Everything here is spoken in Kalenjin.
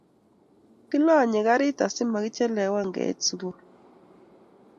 Kilonye karit asimamichelewan keit sukul